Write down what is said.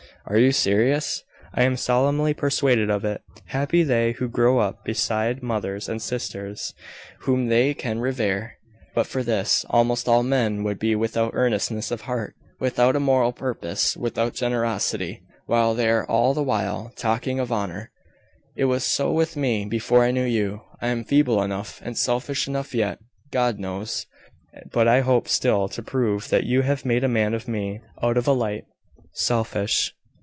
"Are you serious?" "I am solemnly persuaded of it. Happy they who grow up beside mothers and sisters whom they can revere! But for this, almost all men would be without earnestness of heart without a moral purpose without generosity, while they are all the while talking of honour. It was so with me before I knew you. I am feeble enough, and selfish enough yet, God knows! but I hope still to prove that you have made a man of me, out of a light, selfish...